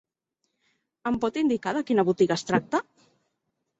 Em pot indicar de quina botiga es tracta?